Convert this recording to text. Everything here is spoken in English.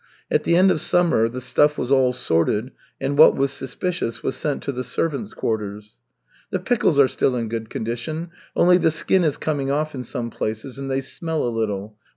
At the end of summer the stuff was all sorted and what was suspicious was sent to the servants' quarters. "The pickles are still in good condition, only the skin is coming off in some places, and they smell a little.